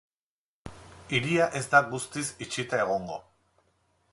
Hiria ez da guztiz itxita egongo.